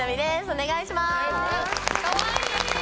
お願いしまーす！